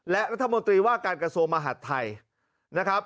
และรัฐมนตรีว่าการกระโสมหัฒน์ไทยนะครับ